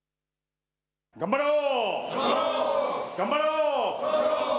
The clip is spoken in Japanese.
頑張ろう。